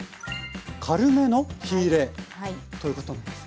「軽めの火入れ」ということなんですね？